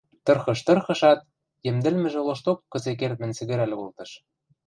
Тырхыш-тырхышат, йӹмдӹлмӹжӹ лошток кыце-кердмӹн сӹгӹрӓл колтыш: